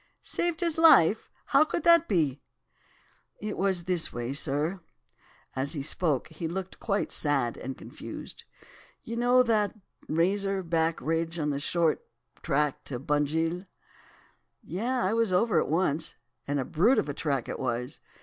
"'Saved his life? How could that be?' "'It was this way, sir.' As he spoke, he looked quite sad and confused. 'You know that Razor Back ridge on the short track to Bunjil?' "'Yes! I was over it once, and a brute of a track it was.